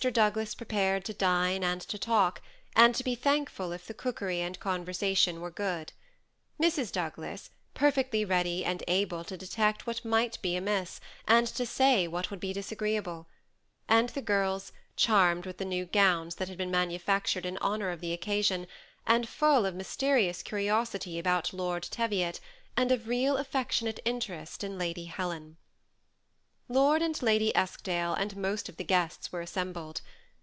Douglas prepared to dine and to talk, and to be thankful if the cookery and conversation were good ; Mrs. Douglas, perfectly ready and able to detect what might be amiss, and to say what would b^ disa greeable ; and the girls, charmed with the new gowns that had been manufactured in honor of the occasion, and full of mysterious curiosity about Lord Teviot, and of real affectionate interest in Lady Helen. Lord and Lady Eskdale and most of the guests were assembled.